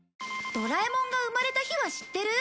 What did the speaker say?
ドラえもんが生まれた日は知ってる？